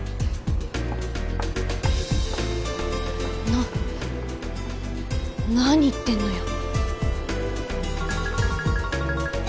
な何言ってんのよ。